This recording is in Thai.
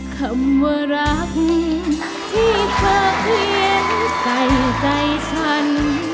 คำว่ารักที่เธอเขียนใส่ใจฉัน